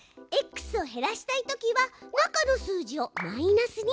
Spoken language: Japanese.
Ｘを減らしたいときは中の数字をマイナスに。